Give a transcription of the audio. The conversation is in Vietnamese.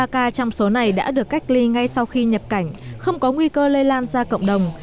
ba ca trong số này đã được cách ly ngay sau khi nhập cảnh không có nguy cơ lây lan ra cộng đồng